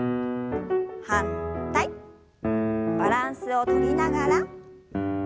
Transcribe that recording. バランスをとりながら。